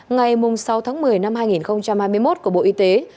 ngày sáu tháng một mươi năm hai nghìn hai mươi một của bộ y tế